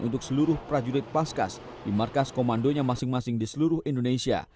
untuk seluruh prajurit paskas di markas komandonya masing masing di seluruh indonesia